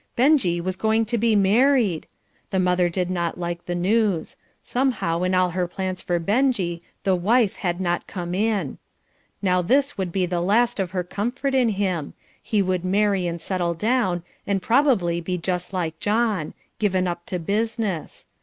Benjie was going to be married! The mother did not like the news; somehow in all her plans for Benjie the wife had not come in. Now this would be the last of her comfort in him; he would marry and settle down, and probably be just like John given up to business.